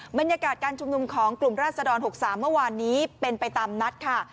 บรรยากาศการชุมนุมของกลุ่มราศดร๖๓เมื่อวานนี้เป็นไปตามนัดค่ะ